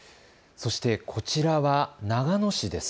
そして、こちらは長野市です。